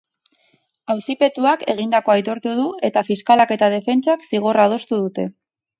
Auzipetuak egindakoa aitortu du eta fiskalak eta defentsak zigorra adostu dute.